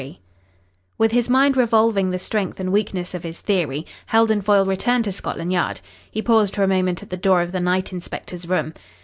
CHAPTER LIII With his mind revolving the strength and weakness of his theory, Heldon Foyle returned to Scotland Yard. He paused for a moment at the door of the night inspector's room.